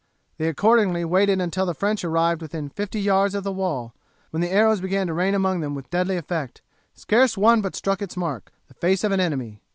They accordingly waited until the French arrived within fifty yards of the wall, when the arrows began to rain among them with deadly effect, scarce one but struck its mark the face of an enemy.